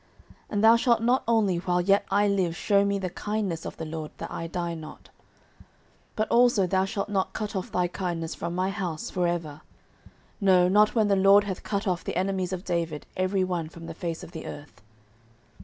09:020:014 And thou shalt not only while yet I live shew me the kindness of the LORD, that I die not: 09:020:015 But also thou shalt not cut off thy kindness from my house for ever: no, not when the LORD hath cut off the enemies of David every one from the face of the earth.